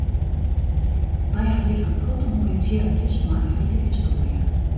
Wy ha hjir in protte moaie tsjerkjes mei in rike histoarje.